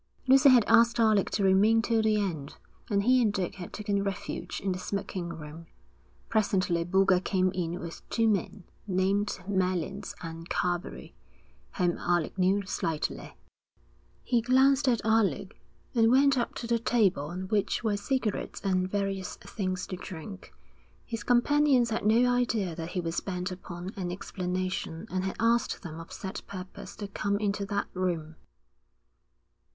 Lucy had asked Alec to remain till the end, and he and Dick had taken refuge in the smoking room. Presently Boulger came in with two men, named Mallins and Carbery, whom Alec knew slightly. He glanced at Alec, and went up to the table on which were cigarettes and various things to drink. His companions had no idea that he was bent upon an explanation and had asked them of set purpose to come into that room.